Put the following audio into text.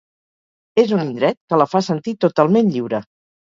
És un indret que la fa sentir totalment lliure.